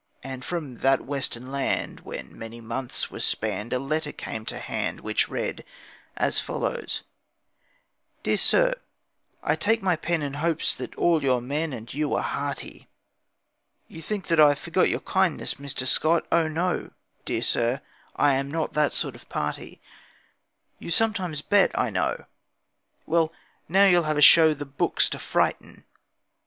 And from that western land, When many months were spanned, A letter came to hand, Which read as follows: 'Dear sir, I take my pen In hopes that all your men And you are hearty. You think that I've forgot Your kindness, Mr. Scott, Oh, no, dear sir, I'm not That sort of party. 'You sometimes bet, I know, Well, now you'll have a show The 'books' to frighten.